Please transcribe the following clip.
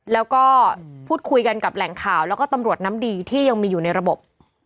แล้วก็พูดคุยกันกับแหล่งข่าวแล้วก็ตำรวจน้ำดีที่ยังมีอยู่ในระบบ